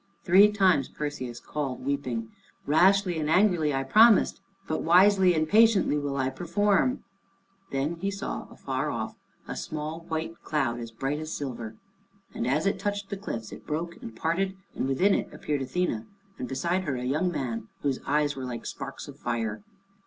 Three times Perseus called, weeping, "Rashly and angrily I promised, but wisely and patiently will I perform." Then he saw afar off a small white cloud, as bright as silver. And as it touched the cliffs, it broke and parted, and within it appeared Athene, and beside her a young man, whose eyes were like sparks of fire.